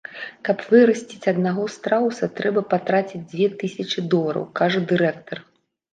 Каб вырасціць аднаго страуса, трэба патраціць дзве тысячы долараў, кажа дырэктар.